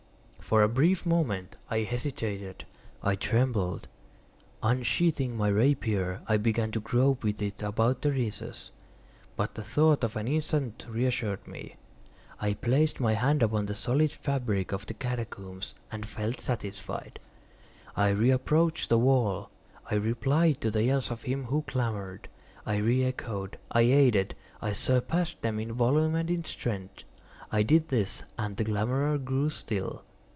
For a brief moment I hesitated—I trembled. Unsheathing my rapier, I began to grope with it about the recess; but the thought of an instant reassured me. I placed my hand upon the solid fabric of the catacombs, and felt satisfied. I reapproached the wall. I replied to the yells of him who clamored. I re echoed—I aided—I surpassed them in volume and in strength. I did this, and the clamorer grew still.